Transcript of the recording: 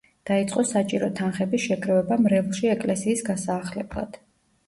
დაიწყო საჭირო თანხების შეგროვება მრევლში ეკლესიის გასაახლებლად.